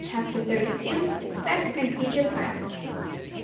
CHAPTER THIRTY TWO. SUCCESS AND FUTURE PLANS.